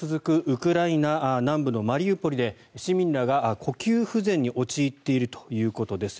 ウクライナ南部のマリウポリで市民らが呼吸不全に陥っているということです。